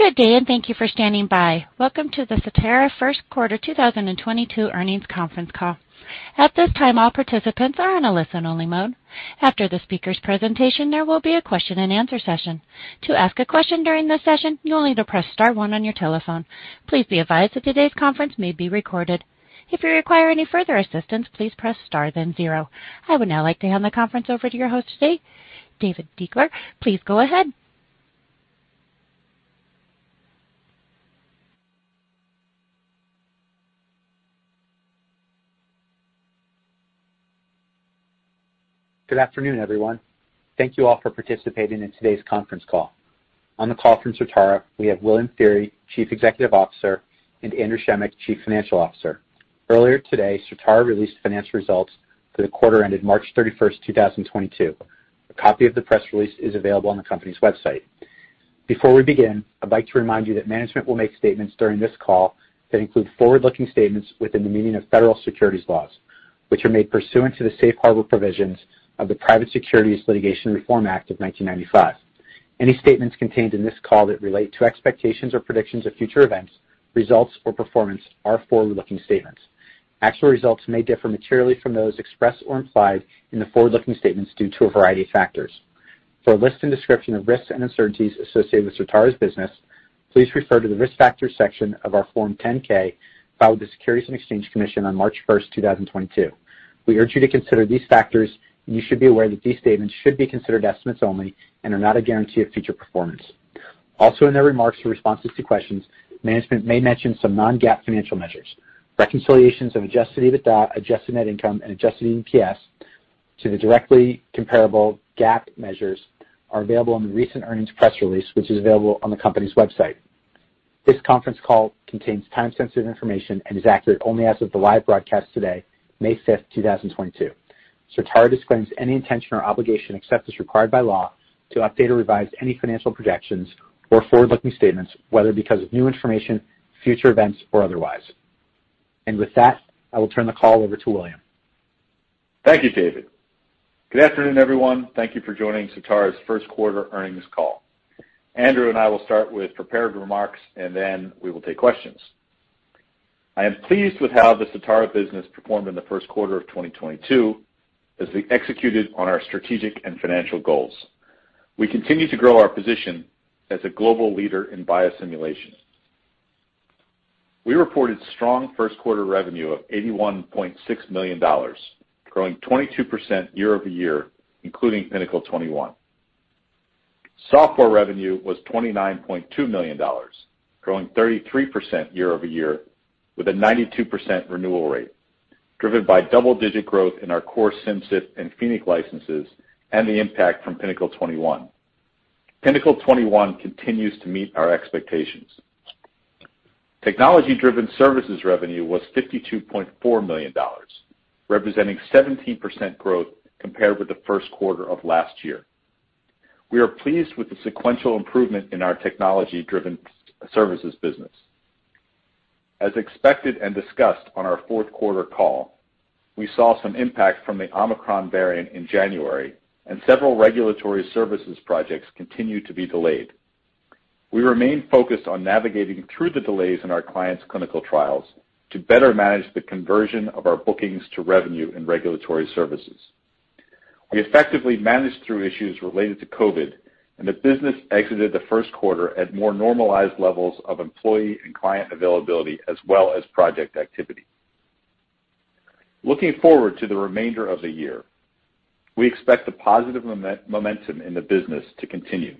Good day, and thank you for standing by. Welcome to the Certara First Quarter 2022 Earnings Conference Call. At this time, all participants are in a listen-only mode. After the speaker's presentation, there will be a question-and-answer session. To ask a question during the session, you'll need to press star one on your telephone. Please be advised that today's conference may be recorded. If you require any further assistance, please press Star, then zero. I would now like to hand the conference over to your host today, David Deuchler. Please go ahead. Good afternoon, everyone. Thank you all for participating in today's conference call. On the call from Certara, we have William Feehery, Chief Executive Officer, and Andrew Schemick, Chief Financial Officer. Earlier today, Certara released financial results for the quarter ended March 31, 2022. A copy of the press release is available on the company's website. Before we begin, I'd like to remind you that management will make statements during this call that include forward-looking statements within the meaning of federal securities laws, which are made pursuant to the safe harbor provisions of the Private Securities Litigation Reform Act of 1995. Any statements contained in this call that relate to expectations or predictions of future events, results, or performance are forward-looking statements. Actual results may differ materially from those expressed or implied in the forward-looking statements due to a variety of factors. For a list and description of risks and uncertainties associated with Certara's business, please refer to the Risk Factors section of our Form 10-K filed with the Securities and Exchange Commission on March 1, 2022. We urge you to consider these factors, and you should be aware that these statements should be considered estimates only and are not a guarantee of future performance. Also, in their remarks or responses to questions, management may mention some non-GAAP financial measures. Reconciliations of adjusted EBITDA, adjusted net income, and adjusted EPS to the directly comparable GAAP measures are available in the recent earnings press release, which is available on the company's website. This conference call contains time-sensitive information and is accurate only as of the live broadcast today, May 5, 2022. Certara disclaims any intention or obligation, except as required by law, to update or revise any financial projections or forward-looking statements, whether because of new information, future events, or otherwise. With that, I will turn the call over to William. Thank you, David Deuchler. Good afternoon, everyone. Thank you for joining Certara's first quarter earnings call. Andrew Schemick and I will start with prepared remarks, and then we will take questions. I am pleased with how the Certara business performed in the first quarter of 2022 as we executed on our strategic and financial goals. We continue to grow our position as a global leader in biosimulation. We reported strong first quarter revenue of $81.6 million, growing 22% year-over-year, including Pinnacle 21. Software revenue was $29.2 million, growing 33% year-over-year with a 92% renewal rate driven by double-digit growth in our core Simcyp and Phoenix licenses and the impact from Pinnacle 21. Pinnacle 21 continues to meet our expectations. Technology-driven services revenue was $52.4 million, representing 17% growth compared with the first quarter of last year. We are pleased with the sequential improvement in our technology-driven services business. As expected and discussed on our fourth quarter call, we saw some impact from the Omicron variant in January and several regulatory services projects continued to be delayed. We remain focused on navigating through the delays in our clients' clinical trials to better manage the conversion of our bookings to revenue in regulatory services. We effectively managed through issues related to COVID and the business exited the first quarter at more normalized levels of employee and client availability as well as project activity. Looking forward to the remainder of the year, we expect the positive momentum in the business to continue.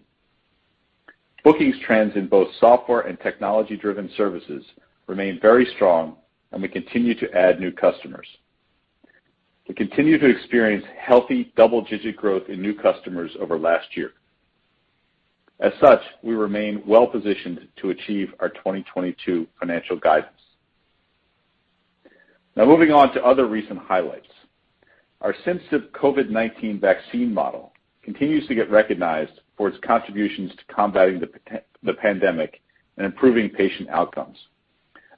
Bookings trends in both software and technology-driven services remain very strong, and we continue to add new customers. We continue to experience healthy double-digit growth in new customers over last year. As such, we remain well positioned to achieve our 2022 financial guidance. Now moving on to other recent highlights. Our Simcyp COVID-19 vaccine model continues to get recognized for its contributions to combating the pandemic and improving patient outcomes.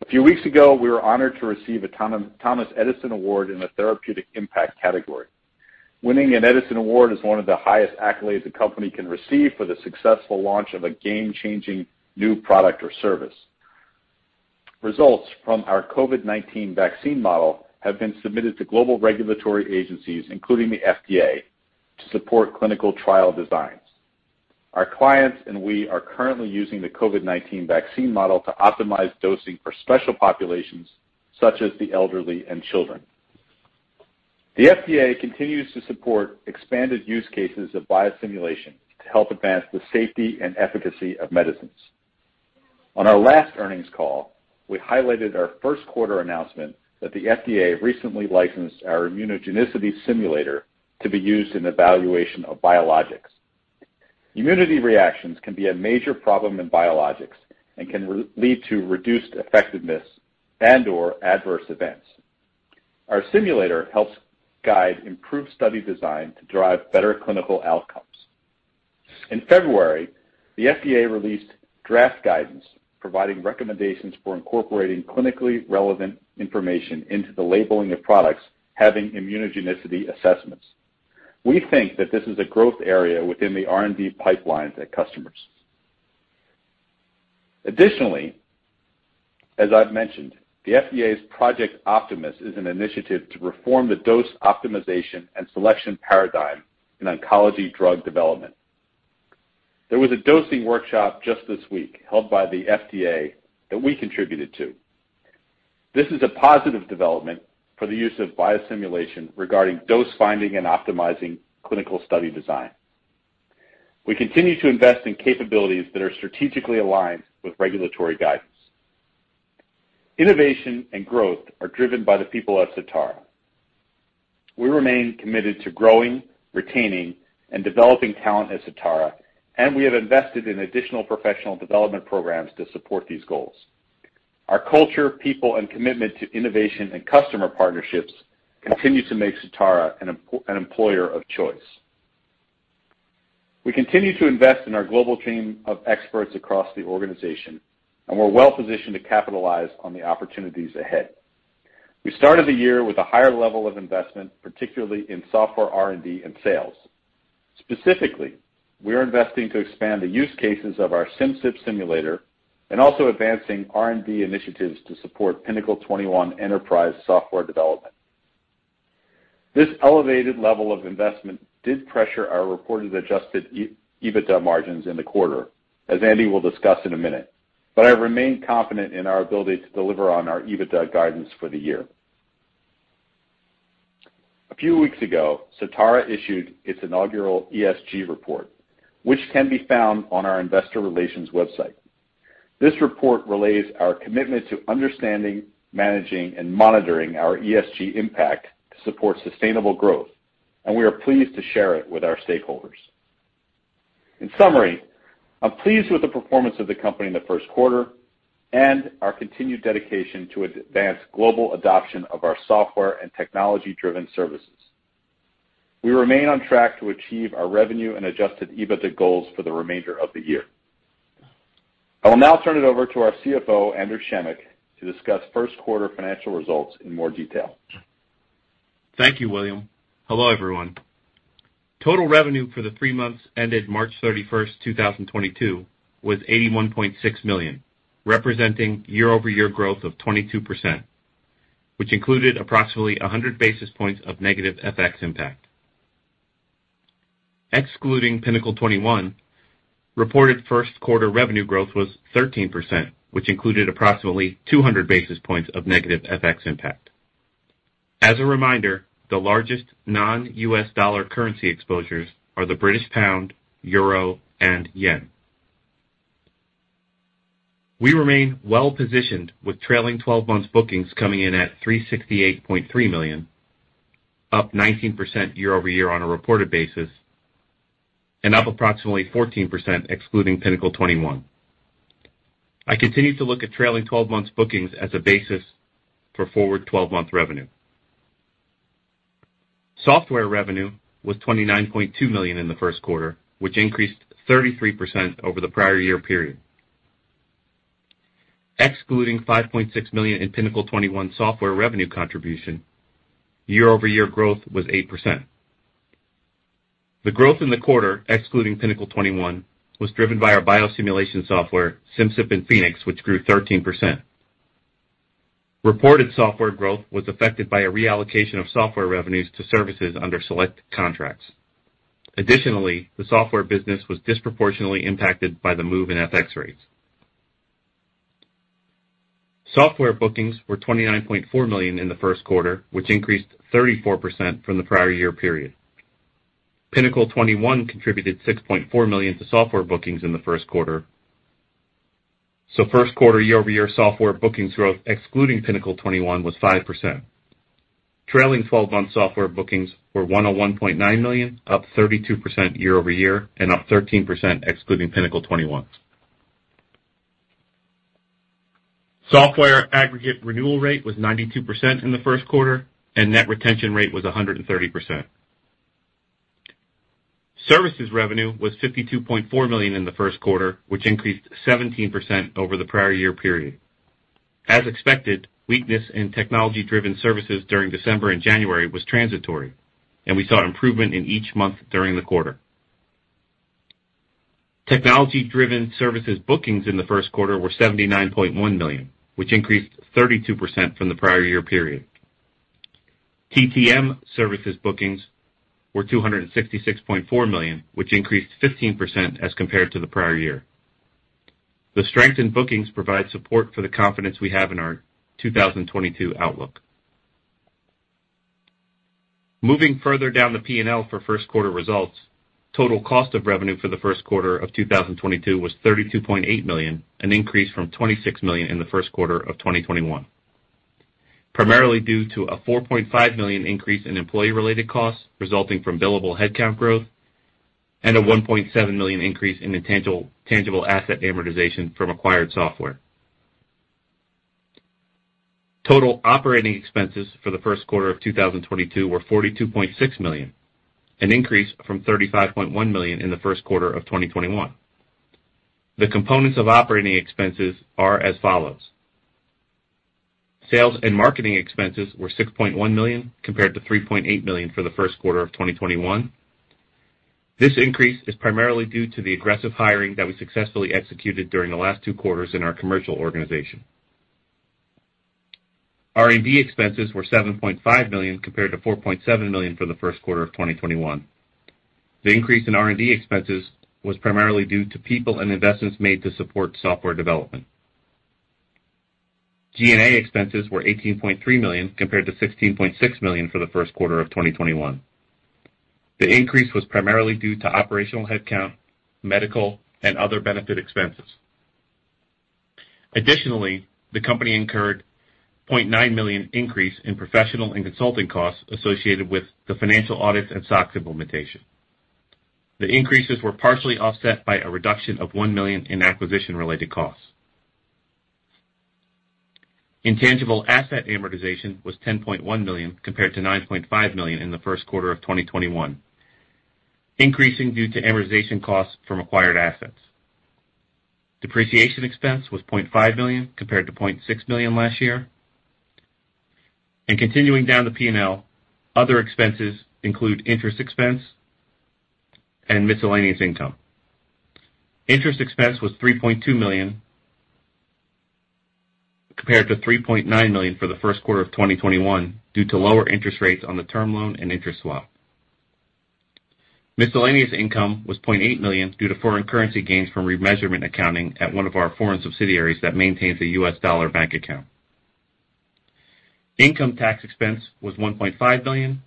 A few weeks ago, we were honored to receive a Thomas Edison Award in the therapeutic impact category. Winning an Edison Award is one of the highest accolades a company can receive for the successful launch of a game-changing new product or service. Results from our COVID-19 vaccine model have been submitted to global regulatory agencies, including the FDA, to support clinical trial designs. Our clients and we are currently using the COVID-19 vaccine model to optimize dosing for special populations such as the elderly and children. The FDA continues to support expanded use cases of biosimulation to help advance the safety and efficacy of medicines. On our last earnings call, we highlighted our first quarter announcement that the FDA recently licensed our immunogenicity simulator to be used in evaluation of biologics. Immune reactions can be a major problem in biologics and can lead to reduced effectiveness and/or adverse events. Our simulator helps guide improved study design to drive better clinical outcomes. In February, the FDA released draft guidance providing recommendations for incorporating clinically relevant information into the labeling of products having immunogenicity assessments. We think that this is a growth area within the R&D pipelines at customers. Additionally, as I've mentioned, the FDA's Project Optimus is an initiative to reform the dose optimization and selection paradigm in oncology drug development. There was a dosing workshop just this week held by the FDA that we contributed to. This is a positive development for the use of biosimulation regarding dose finding and optimizing clinical study design. We continue to invest in capabilities that are strategically aligned with regulatory guidance. Innovation and growth are driven by the people at Certara. We remain committed to growing, retaining, and developing talent at Certara, and we have invested in additional professional development programs to support these goals. Our culture, people, and commitment to innovation and customer partnerships continue to make Certara an employer of choice. We continue to invest in our global team of experts across the organization, and we're well-positioned to capitalize on the opportunities ahead. We started the year with a higher level of investment, particularly in software R&D and sales. Specifically, we are investing to expand the use cases of our Simcyp simulator and also advancing R&D initiatives to support Pinnacle 21 enterprise software development. This elevated level of investment did pressure our reported adjusted EBITDA margins in the quarter, as Andy will discuss in a minute, but I remain confident in our ability to deliver on our EBITDA guidance for the year. A few weeks ago, Certara issued its inaugural ESG report, which can be found on our investor relations website. This report relays our commitment to understanding, managing, and monitoring our ESG impact to support sustainable growth, and we are pleased to share it with our stakeholders. In summary, I'm pleased with the performance of the company in the first quarter and our continued dedication to advance global adoption of our software and technology-driven services. We remain on track to achieve our revenue and adjusted EBITDA goals for the remainder of the year. I will now turn it over to our CFO, Andrew Schemick, to discuss first quarter financial results in more detail. Thank you, William. Hello, everyone. Total revenue for the three months ended March 31st, 2022 was $81.6 million, representing year-over-year growth of 22%, which included approximately 100 basis points of negative FX impact. Excluding Pinnacle 21, reported first quarter revenue growth was 13%, which included approximately 200 basis points of negative FX impact. As a reminder, the largest non-US dollar currency exposures are the British pound, euro, and yen. We remain well-positioned with trailing twelve months bookings coming in at $368.3 million, up 19% year-over-year on a reported basis and up approximately 14% excluding Pinnacle 21. I continue to look at trailing twelve months bookings as a basis for forward twelve-month revenue. Software revenue was $29.2 million in the first quarter, which increased 33% over the prior year period. Excluding $5.6 million in Pinnacle 21 software revenue contribution, year-over-year growth was 8%. The growth in the quarter, excluding Pinnacle 21, was driven by our biosimulation software, Simcyp and Phoenix, which grew 13%. Reported software growth was affected by a reallocation of software revenues to services under select contracts. Additionally, the software business was disproportionately impacted by the move in FX rates. Software bookings were $29.4 million in the first quarter, which increased 34% from the prior year period. Pinnacle 21 contributed $6.4 million to software bookings in the first quarter. First quarter year-over-year software bookings growth, excluding Pinnacle 21, was 5%. Trailing twelve months software bookings were $101.9 million, up 32% year-over-year and up 13% excluding Pinnacle 21. Software aggregate renewal rate was 92% in the first quarter, and net retention rate was 130%. Services revenue was $52.4 million in the first quarter, which increased 17% over the prior year period. As expected, weakness in technology-driven services during December and January was transitory, and we saw improvement in each month during the quarter. Technology-driven services bookings in the first quarter were $79.1 million, which increased 32% from the prior year period. TTM services bookings were $266.4 million, which increased 15% as compared to the prior year. The strength in bookings provide support for the confidence we have in our 2022 outlook. Moving further down the P&L for first quarter results, total cost of revenue for the first quarter of 2022 was $32.8 million, an increase from $26 million in the first quarter of 2021, primarily due to a $4.5 million increase in employee-related costs resulting from billable headcount growth and a $1.7 million increase in tangible asset amortization from acquired software. Total operating expenses for the first quarter of 2022 were $42.6 million, an increase from $35.1 million in the first quarter of 2021. The components of operating expenses are as follows. Sales and marketing expenses were $6.1 million compared to $3.8 million for the first quarter of 2021. This increase is primarily due to the aggressive hiring that we successfully executed during the last two quarters in our commercial organization. R&D expenses were $7.5 million compared to $4.7 million for the first quarter of 2021. The increase in R&D expenses was primarily due to people and investments made to support software development. G&A expenses were $18.3 million compared to $16.6 million for the first quarter of 2021. The increase was primarily due to operational headcount, medical and other benefit expenses. Additionally, the company incurred $0.9 million increase in professional and consulting costs associated with the financial audits and SOX implementation. The increases were partially offset by a reduction of $1 million in acquisition-related costs. Intangible asset amortization was $10.1 million compared to $9.5 million in the first quarter of 2021, increasing due to amortization costs from acquired assets. Depreciation expense was $0.5 million compared to $0.6 million last year. Continuing down the P&L, other expenses include interest expense and miscellaneous income. Interest expense was $3.2 million compared to $3.9 million for the first quarter of 2021 due to lower interest rates on the term loan and interest swap. Miscellaneous income was $0.8 million due to foreign currency gains from remeasurement accounting at one of our foreign subsidiaries that maintains a US dollar bank account. Income tax expense was $1.5 million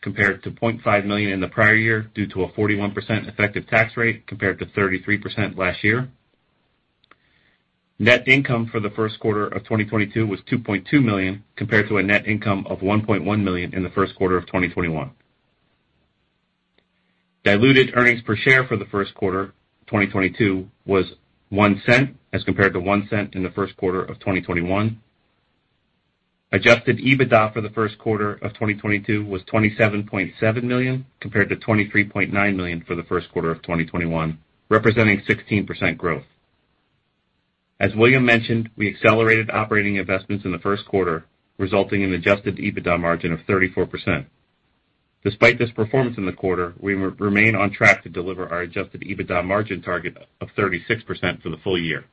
compared to $0.5 million in the prior year due to a 41% effective tax rate compared to 33% last year. Net income for the first quarter of 2022 was $2.2 million compared to a net income of $1.1 million in the first quarter of 2021. Diluted earnings per share for the first quarter 2022 was $0.01 as compared to $0.01 in the first quarter of 2021. Adjusted EBITDA for the first quarter of 2022 was $27.7 million compared to $23.9 million for the first quarter of 2021, representing 16% growth. As William mentioned, we accelerated operating investments in the first quarter, resulting in adjusted EBITDA margin of 34%. Despite this performance in the quarter, we remain on track to deliver our adjusted EBITDA margin target of 36% for the full year.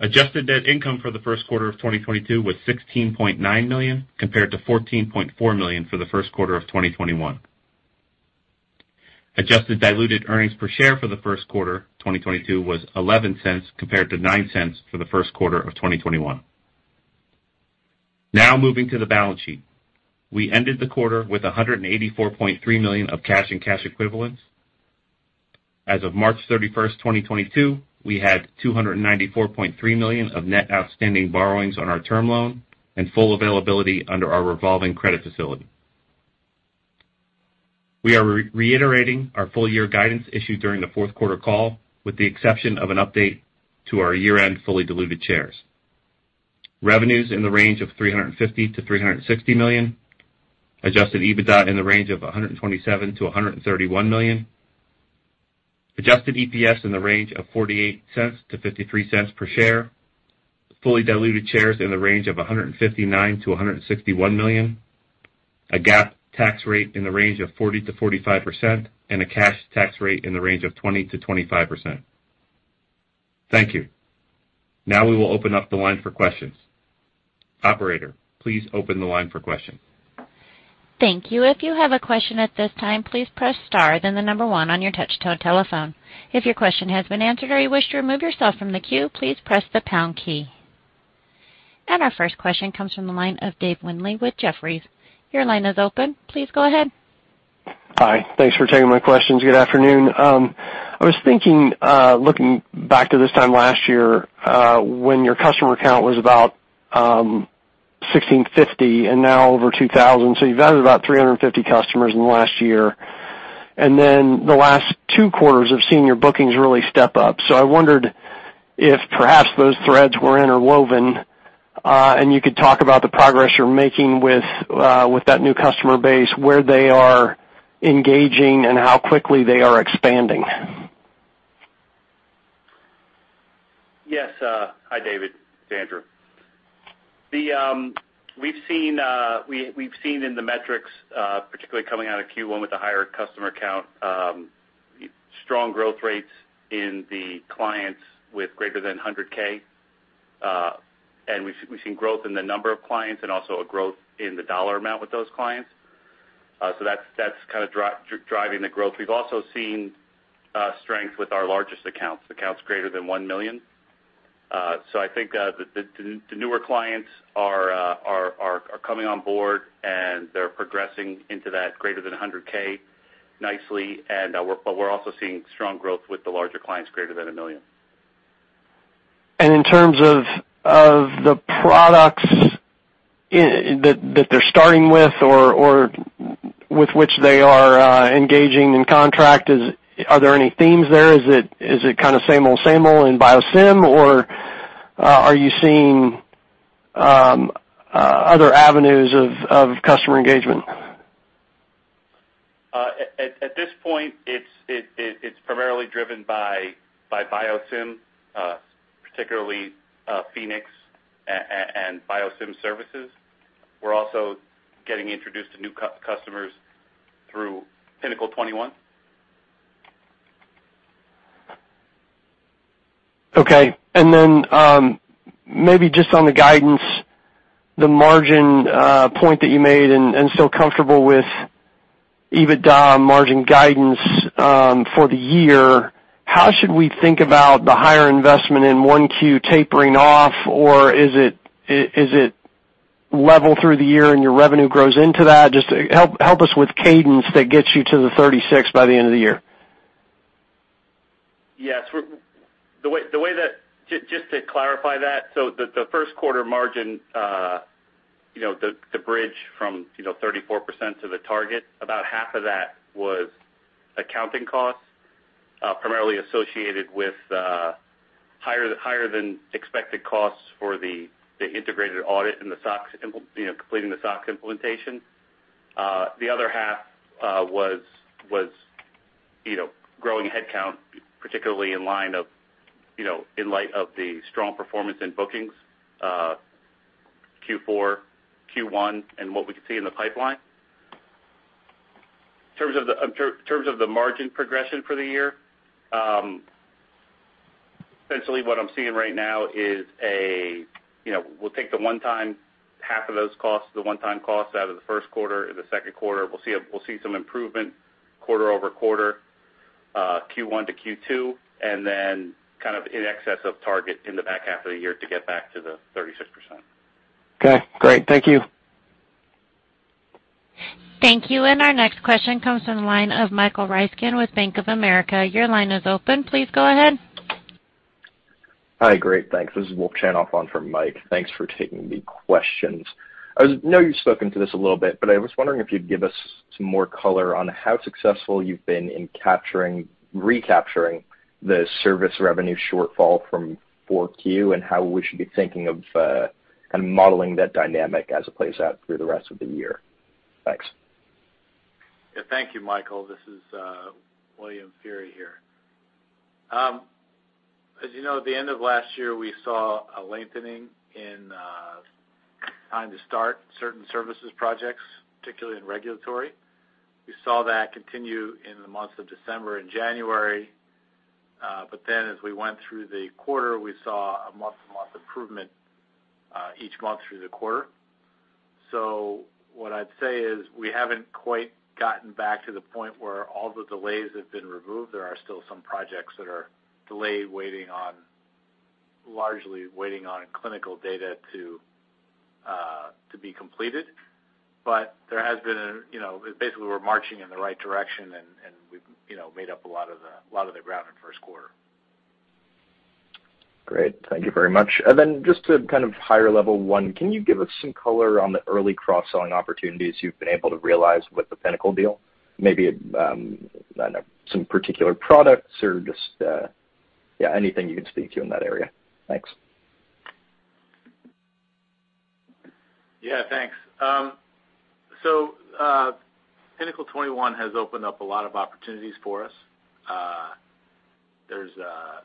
Adjusted net income for the first quarter of 2022 was $16.9 million compared to $14.4 million for the first quarter of 2021. Adjusted diluted earnings per share for the first quarter 2022 was $0.11 compared to $0.09 for the first quarter of 2021. Now moving to the balance sheet. We ended the quarter with $184.3 million of cash and cash equivalents. As of March 31, 2022, we had $294.3 million of net outstanding borrowings on our term loan and full availability under our revolving credit facility. We are reiterating our full year guidance issued during the fourth quarter call with the exception of an update to our year-end fully diluted shares. Revenues in the range of $350 million-$360 million. Adjusted EBITDA in the range of $127 million-$131 million. Adjusted EPS in the range of $0.48-$0.53 per share. Fully diluted shares in the range of 159 million-161 million. A GAAP tax rate in the range of 40%-45%, and a cash tax rate in the range of 20%-25%. Thank you. Now we will open up the line for questions. Operator, please open the line for questions. Thank you. If you have a question at this time, please press star then the number one on your touchtone telephone. If your question has been answered or you wish to remove yourself from the queue, please press the pound key. Our first question comes from the line of Dave Windley with Jefferies. Your line is open. Please go ahead. Hi. Thanks for taking my questions. Good afternoon. I was thinking, looking back to this time last year, when your customer count was about 1,650 and now over 2,000, so you've added about 350 customers in the last year. The last two quarters I've seen your bookings really step up. I wondered if perhaps those threads were interwoven, and you could talk about the progress you're making with that new customer base, where they are engaging and how quickly they are expanding. Yes. Hi, David. It's Andrew. We've seen in the metrics, particularly coming out of Q1 with the higher customer count, strong growth rates in the clients with greater than $100K. We've seen growth in the number of clients and also a growth in the dollar amount with those clients. That's kind of driving the growth. We've also seen strength with our largest accounts greater than $1 million. I think the newer clients are coming on board, and they're progressing into that greater than $100K nicely. We're also seeing strong growth with the larger clients greater than $1 million. In terms of the products that they're starting with or with which they are engaging in contract, are there any themes there? Is it kind of same old, same old in Biosim, or are you seeing other avenues of customer engagement? At this point, it's primarily driven by BioSim, particularly Phoenix and BioSim services. We're also getting introduced to new customers through Pinnacle 21. Okay. Then, maybe just on the guidance, the margin point that you made and so comfortable with EBITDA margin guidance for the year. How should we think about the higher investment in 1Q tapering off, or is it level through the year and your revenue grows into that? Just help us with cadence that gets you to the 36% by the end of the year. Yes. Just to clarify that, the first quarter margin, you know, the bridge from, you know, 34% to the target, about half of that was accounting costs, primarily associated with higher than expected costs for the integrated audit and the SOX implementation. You know, completing the SOX implementation. The other half was you know, growing headcount, particularly in light of the strong performance in bookings, Q4, Q1, and what we can see in the pipeline. In terms of the margin progression for the year, essentially what I'm seeing right now is, you know, we'll take the one-time half of those costs, the one-time costs out of the first quarter. In the second quarter, we'll see some improvement quarter-over-quarter, Q1 to Q2, and then kind of in excess of target in the back half of the year to get back to the 36%. Okay, great. Thank you. Thank you. Our next question comes from the line of Michael Ryskin with Bank of America. Your line is open. Please go ahead. Hi. Great. Thanks. This is Wolf Chanoff calling for Mike. Thanks for taking the questions. I know you've spoken to this a little bit, but I was wondering if you'd give us some more color on how successful you've been in capturing, recapturing the service revenue shortfall from Q4, and how we should be thinking of kind of modeling that dynamic as it plays out through the rest of the year. Thanks. Yeah, thank you, Michael. This is William Feehery here. As you know, at the end of last year, we saw a lengthening in time to start certain services projects, particularly in regulatory. We saw that continue in the months of December and January. But then as we went through the quarter, we saw a month-to-month improvement each month through the quarter. What I'd say is we haven't quite gotten back to the point where all the delays have been removed. There are still some projects that are delayed waiting on, largely waiting on clinical data to be completed. There has been, you know, basically we're marching in the right direction and we've, you know, made up a lot of the ground in first quarter. Great. Thank you very much. Just to kind of higher level one, can you give us some color on the early cross-selling opportunities you've been able to realize with the Pinnacle deal? Maybe, I don't know, some particular products or just, yeah, anything you can speak to in that area. Thanks. Yeah, thanks. Pinnacle 21 has opened up a lot of opportunities for us. There's, I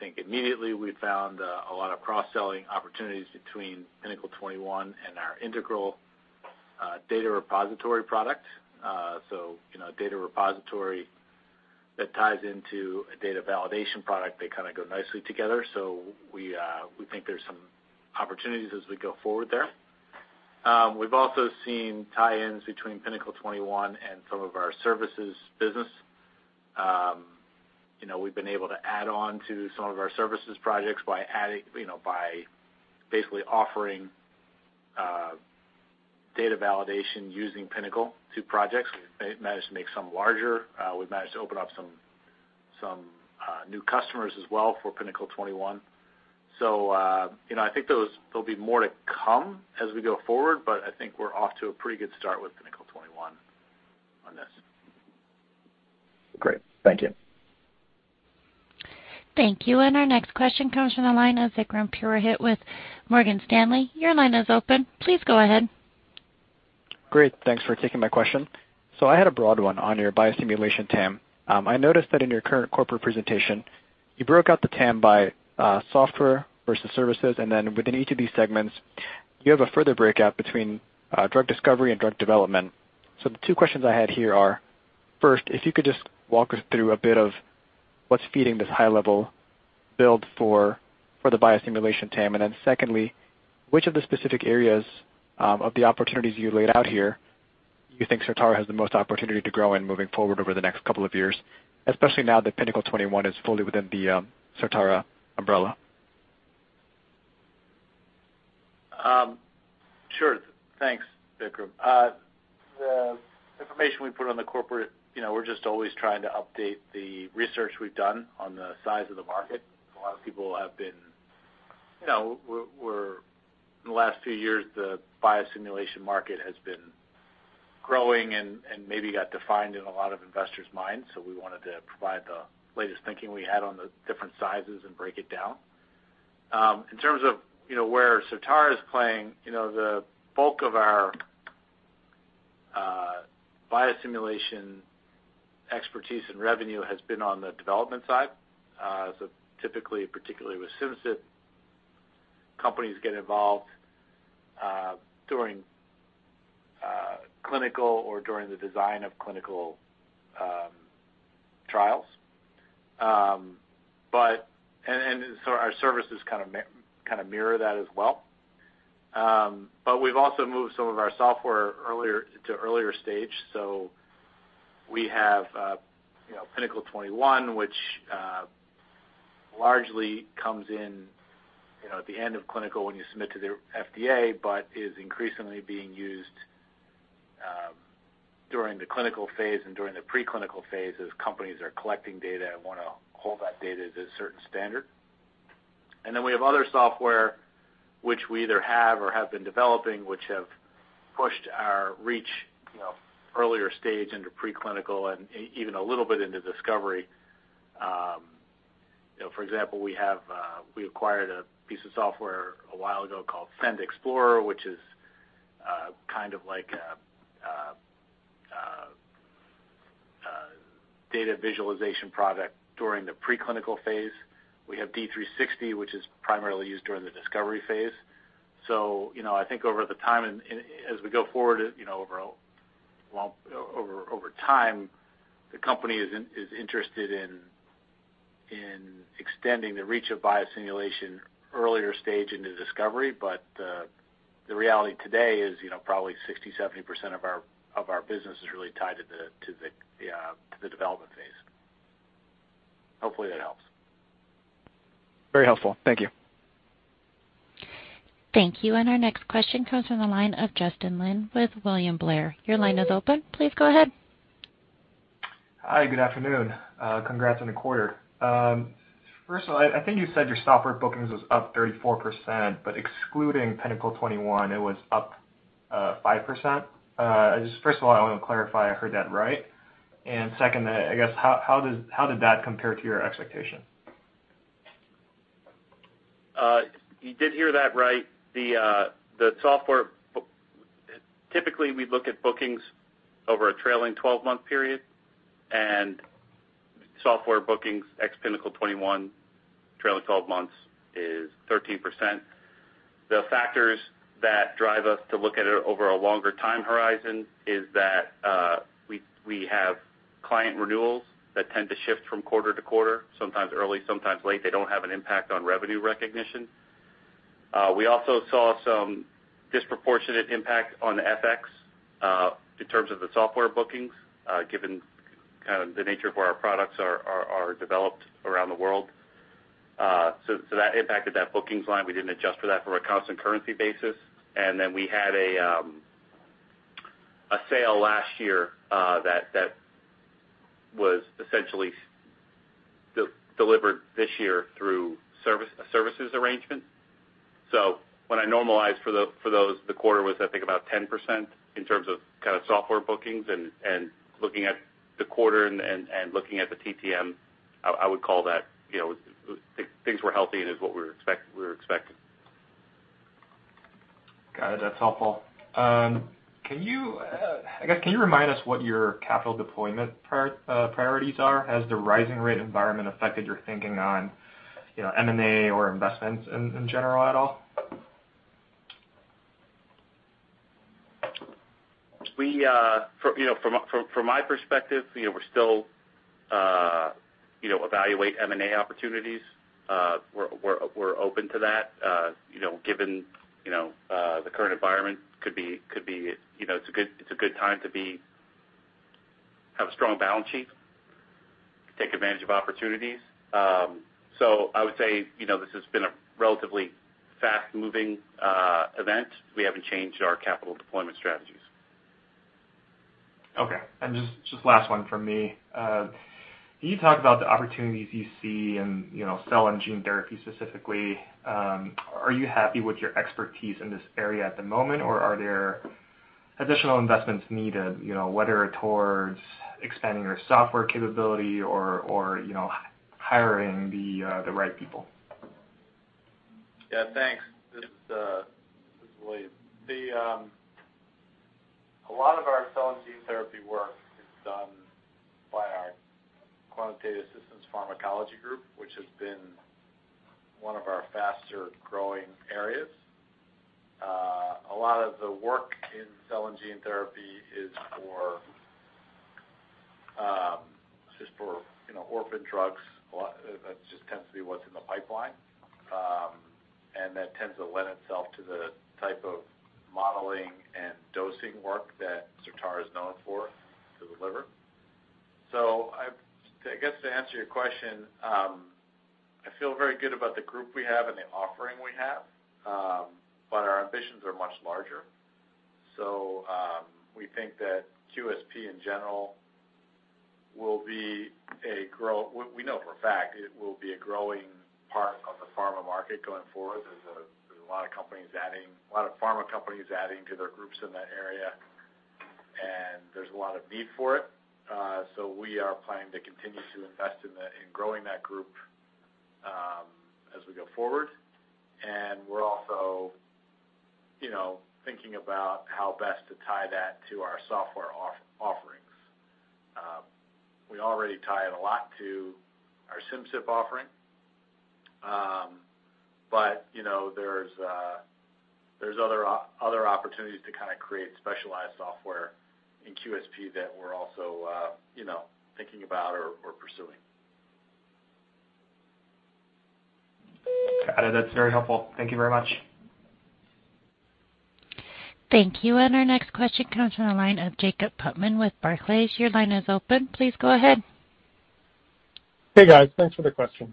think, immediately we found a lot of cross-selling opportunities between Pinnacle 21 and our Integral data repository product. You know, data repository that ties into a data validation product, they kinda go nicely together. We think there's some opportunities as we go forward there. We've also seen tie-ins between Pinnacle 21 and some of our services business. You know, we've been able to add on to some of our services projects by adding, you know, by basically offering data validation using Pinnacle to projects. We've managed to open up some new customers as well for Pinnacle 21. You know, I think there'll be more to come as we go forward, but I think we're off to a pretty good start with Pinnacle 21 on this. Great. Thank you. Thank you. Our next question comes from the line of Vikram Purohit with Morgan Stanley. Your line is open. Please go ahead. Great. Thanks for taking my question. I had a broad one on your biosimulation TAM. I noticed that in your current corporate presentation, you broke out the TAM by software versus services, and then within each of these segments, you have a further breakout between drug discovery and drug development. The two questions I had here are, first, if you could just walk us through a bit of what's feeding this high level build for the biosimulation TAM. Then secondly, which of the specific areas of the opportunities you laid out here you think Certara has the most opportunity to grow in moving forward over the next couple of years, especially now that Pinnacle 21 is fully within the Certara umbrella? Sure. Thanks, Vikram. The information we put on the corporate, you know, we're just always trying to update the research we've done on the size of the market. A lot of people have been, you know, in the last few years, the biosimulation market has been growing and maybe got defined in a lot of investors' minds, so we wanted to provide the latest thinking we had on the different sizes and break it down. In terms of, you know, where Certara is playing, you know, the bulk of our biosimulation expertise and revenue has been on the development side. So typically, particularly with Simcyp, companies get involved during clinical or during the design of clinical trials. Our services kind of mirror that as well. We've also moved some of our software earlier, to earlier stage. We have, you know, Pinnacle 21, which largely comes in, you know, at the end of clinical when you submit to the FDA, but is increasingly being used during the clinical phase and during the pre-clinical phase as companies are collecting data and wanna hold that data to a certain standard. Then we have other software which we either have or have been developing, which have pushed our reach, you know, earlier stage into pre-clinical and even a little bit into discovery. You know, for example, we acquired a piece of software a while ago called SEND Explorer, which is kind of like a data visualization product during the pre-clinical phase. We have D360, which is primarily used during the discovery phase. You know, I think over the time and as we go forward, you know, over time, the company is interested in extending the reach of biosimulation earlier stage into discovery. The reality today is, you know, probably 60%-70% of our business is really tied to the development phase. Hopefully, that helps. Very helpful. Thank you. Thank you. Our next question comes from the line of Justin Lin with William Blair. Your line is open. Please go ahead. Hi, good afternoon. Congrats on the quarter. First of all, I think you said your software bookings was up 34%, but excluding Pinnacle 21, it was up 5%. Just first of all, I wanna clarify I heard that right. Second, I guess, how did that compare to your expectation? You did hear that right. Typically, we look at bookings over a trailing twelve-month period, and software bookings ex Pinnacle 21 trailing twelve months is 13%. The factors that drive us to look at it over a longer time horizon is that we have client renewals that tend to shift from quarter to quarter, sometimes early, sometimes late. They don't have an impact on revenue recognition. We also saw some disproportionate impact on FX in terms of the software bookings, given kind of the nature of where our products are developed around the world. So that impacted that bookings line. We didn't adjust for that from a constant currency basis. We had a sale last year that was essentially delivered this year through a services arrangement. When I normalized for those, the quarter was, I think, about 10% in terms of kind of software bookings and looking at the quarter and looking at the TTM, I would call that, you know, things were healthy and it's what we were expecting. Got it. That's helpful. I guess, can you remind us what your capital deployment priorities are? Has the rising rate environment affected your thinking on, you know, M&A or investments in general at all? From my perspective, you know, we're still evaluate M&A opportunities. We're open to that. You know, given you know, the current environment could be, you know, it's a good time to have a strong balance sheet, take advantage of opportunities. I would say, you know, this has been a relatively fast-moving event. We haven't changed our capital deployment strategies. Okay. Just last one from me. Can you talk about the opportunities you see in, you know, cell and gene therapy specifically? Are you happy with your expertise in this area at the moment, or are there additional investments needed, you know, whether towards expanding your software capability or, you know, hiring the right people? Yeah, thanks. This is William. A lot of our cell and gene therapy work is done by our quantitative systems pharmacology group, which has been one of our faster-growing areas. A lot of the work in cell and gene therapy is just for, you know, orphan drugs. That just tends to be what's in the pipeline. That tends to lend itself to the type of modeling and dosing work that Certara is known for to deliver. I guess, to answer your question, I feel very good about the group we have and the offering we have, but our ambitions are much larger. We think that QSP in general will be a growing part of the pharma market going forward. There's a lot of companies adding, a lot of pharma companies adding to their groups in that area. There's a lot of need for it. We are planning to continue to invest in growing that group as we go forward. We're also, you know, thinking about how best to tie that to our software offerings. We already tie it a lot to our Simcyp offering. But, you know, there's other opportunities to kinda create specialized software in QSP that we're also, you know, thinking about or pursuing. Got it. That's very helpful. Thank you very much. Thank you. Our next question comes from the line of Jacob Putman with Barclays. Your line is open. Please go ahead. Hey, guys. Thanks for the question.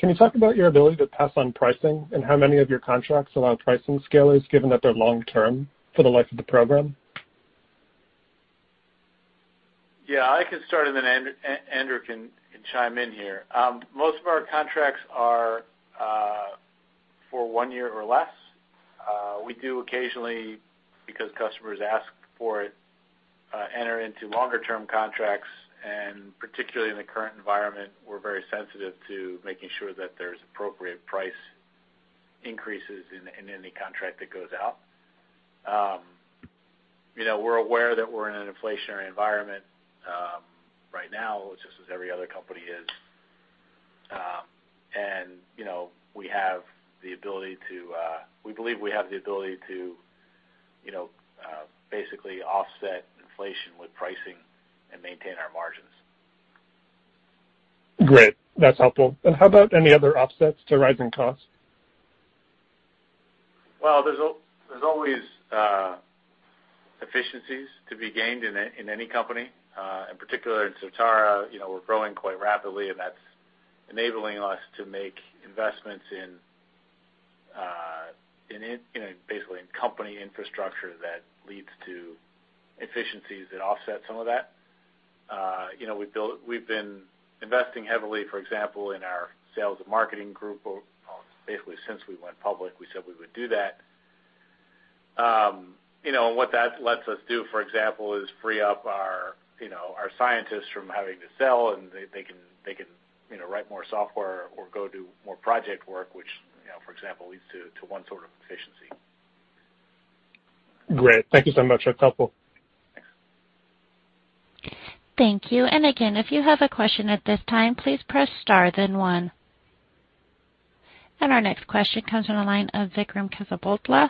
Can you talk about your ability to pass on pricing and how many of your contracts allow pricing escalators given that they're long term for the life of the program? Yeah, I can start and then Andrew can chime in here. Most of our contracts are for one year or less. We do occasionally, because customers ask for it, enter into longer term contracts, and particularly in the current environment, we're very sensitive to making sure that there's appropriate price increases in any contract that goes out. You know, we're aware that we're in an inflationary environment right now, just as every other company is. You know, we believe we have the ability to basically offset inflation with pricing and maintain our margins. Great. That's helpful. How about any other offsets to rising costs? Well, there's always efficiencies to be gained in any company. In particular in Certara, you know, we're growing quite rapidly, and that's enabling us to make investments in, you know, basically in company infrastructure that leads to efficiencies that offset some of that. You know, we've been investing heavily, for example, in our sales and marketing group or basically since we went public, we said we would do that. You know, what that lets us do, for example, is free up our, you know, our scientists from having to sell, and they can, you know, write more software or go do more project work, which, you know, for example, leads to one sort of efficiency. Great. Thank you so much. That's helpful. Thank you. Again, if you have a question at this time, please press star then one. Our next question comes from the line of Vikram Kesavabhotla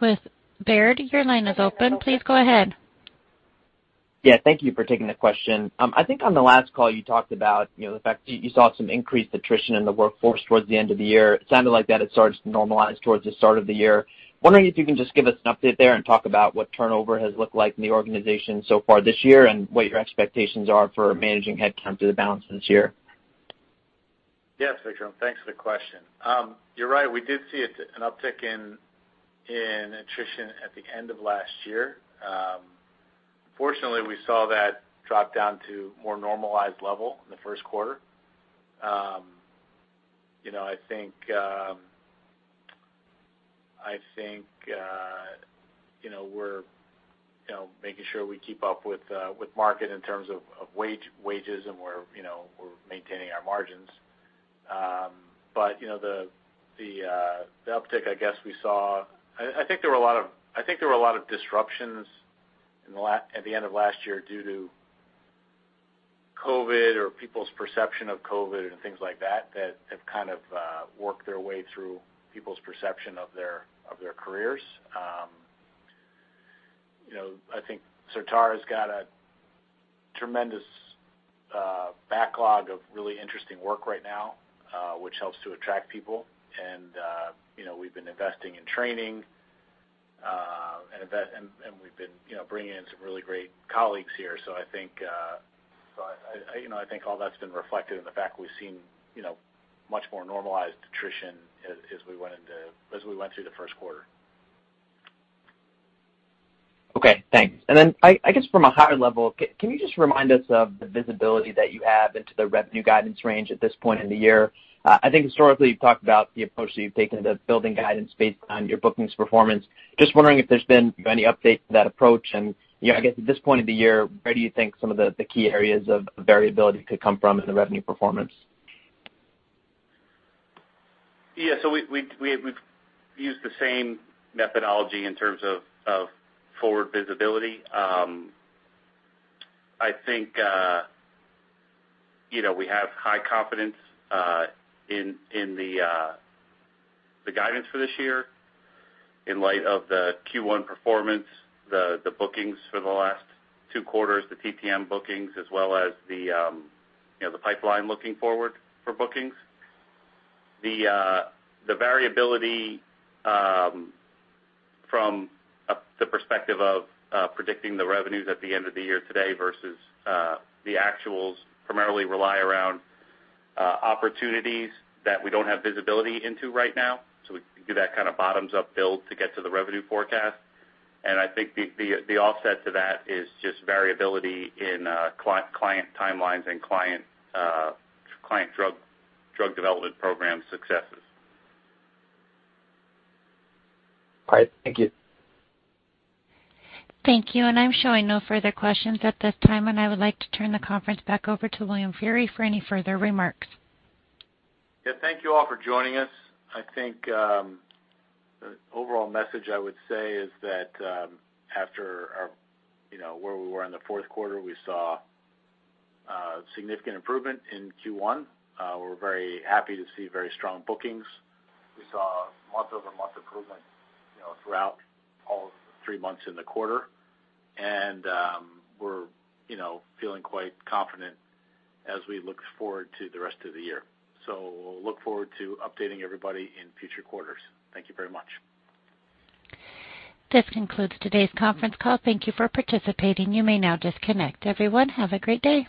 with Baird. Your line is open. Please go ahead. Yeah, thank you for taking the question. I think on the last call you talked about, you know, the fact you saw some increased attrition in the workforce towards the end of the year. It sounded like it started to normalize towards the start of the year. Wondering if you can just give us an update there and talk about what turnover has looked like in the organization so far this year and what your expectations are for managing headcount through the balance of this year. Yes, Vikram. Thanks for the question. You're right. We did see an uptick in attrition at the end of last year. Fortunately, we saw that drop down to more normalized level in the first quarter. You know, I think you know, we're making sure we keep up with the market in terms of wages, and we're maintaining our margins. You know, the uptick I guess we saw. I think there were a lot of disruptions at the end of last year due to COVID or people's perception of COVID and things like that have kind of worked their way through people's perception of their careers. You know, I think Certara's got a tremendous backlog of really interesting work right now, which helps to attract people. You know, we've been investing in training and we've been bringing in some really great colleagues here. I think all that's been reflected in the fact we've seen much more normalized attrition as we went through the first quarter. Okay, thanks. I guess from a higher level, can you just remind us of the visibility that you have into the revenue guidance range at this point in the year? I think historically you've talked about the approach that you've taken to building guidance based on your bookings performance. Just wondering if there's been any updates to that approach. You know, I guess at this point in the year, where do you think some of the key areas of variability could come from in the revenue performance? Yeah. We've used the same methodology in terms of forward visibility. I think you know, we have high confidence in the guidance for this year in light of the Q1 performance, the bookings for the last two quarters, the TTM bookings as well as you know, the pipeline looking forward for bookings. The variability from the perspective of predicting the revenues at the end of the year today versus the actuals primarily rely around opportunities that we don't have visibility into right now. We do that kind of bottoms up build to get to the revenue forecast. I think the offset to that is just variability in client timelines and client drug development program successes. All right. Thank you. Thank you. I'm showing no further questions at this time, and I would like to turn the conference back over to William Feehery for any further remarks. Yeah. Thank you all for joining us. I think the overall message I would say is that after our, you know, where we were in the fourth quarter, we saw significant improvement in Q1. We're very happy to see very strong bookings. We saw month-over-month improvement, you know, throughout all three months in the quarter. We're, you know, feeling quite confident as we look forward to the rest of the year. We'll look forward to updating everybody in future quarters. Thank you very much. This concludes today's conference call. Thank you for participating. You may now disconnect. Everyone, have a great day.